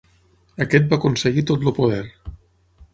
Aquest va aconseguir tot el poder.